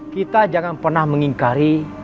kita jangan pernah mengingkari